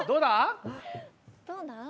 どうだろ？